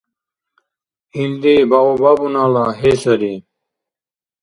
Илди баобабунала гье сари.